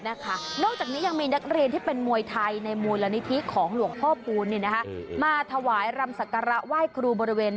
นอกจากนี้ยังมีนักเรียนที่เป็นมวยไทยในมูลนิธิของหลวงพ่อคูณมาถวายรำศักระไหว้ครูบริเวณ